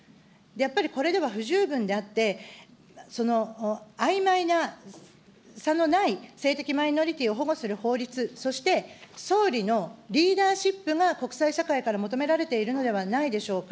やっぱりこれでは不十分であって、あいまいな差のない性的マイノリティーを保護する法律、そして、総理のリーダーシップが国際社会から求められているのではないでしょうか。